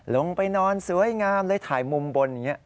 ลงไปนอนสวยงามเลยถ่ายมุมบนอย่างนี้